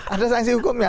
ada sanksi hukumnya